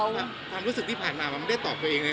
ความรู้สึกที่ผ่านมามันไม่ได้ตอบตัวเองเลย